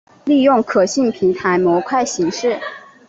利用可信平台模块形式。